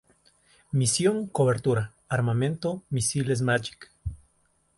Misión: cobertura; armamento: misiles Magic.